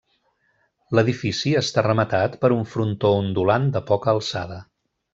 L'edifici està rematat per un frontó ondulant de poca alçada.